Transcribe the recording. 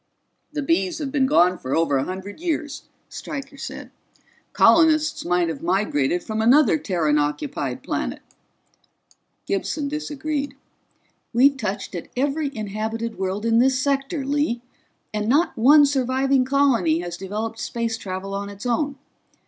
"The Bees have been gone for over a hundred years," Stryker said. "Colonists might have migrated from another Terran occupied planet." Gibson disagreed. "We've touched at every inhabited world in this sector, Lee, and not one surviving colony has developed space travel on its own.